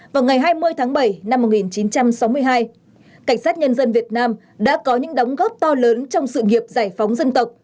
vào ngày hai mươi tháng bảy năm một nghìn chín trăm sáu mươi hai cảnh sát nhân dân việt nam đã có những đóng góp to lớn trong sự nghiệp giải phóng dân tộc